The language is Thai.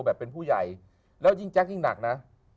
แบบเป็นผู้ใหญ่แล้วยิ่งแจ๊คยิ่งหนักนะ